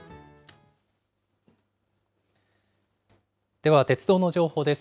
では、鉄道の情報です。